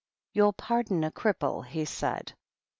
"You'll pardon a cripple," he said.